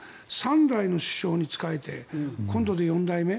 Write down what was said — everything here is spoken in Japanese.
３代の首相に仕えて今度で４代目。